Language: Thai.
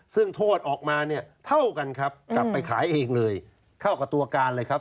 ซึ่งโทษออกมาเนี่ยเท่ากันครับกลับไปขายเองเลยเท่ากับตัวการเลยครับ